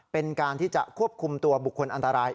เป็นการที่จะควบคุมตัวบุคคลอันตราย